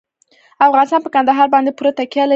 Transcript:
افغانستان په کندهار باندې پوره تکیه لري.